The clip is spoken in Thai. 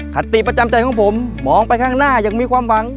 คติประจำใจของผมมองไปข้างหน้ายังมีความหวัง